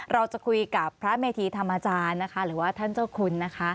เราจะคุยกับพระเมธีธรรมจารย์นะคะหรือว่าท่านเจ้าคุณนะคะ